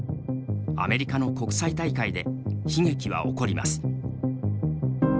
アメリカの国際大会で悲劇は起こります。